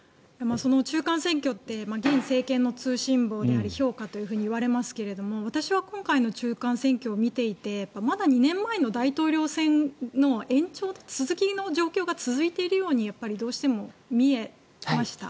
中間選挙って現政権の通信簿であり評価といわれますが私は今回の中間選挙を見ていてまだ２年前の大統領選の延長続きの状況が続いているようにどうしても見えました。